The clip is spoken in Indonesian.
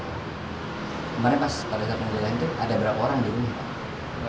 kemarin pas pada saat pengadilan itu ada berapa orang di rumah pak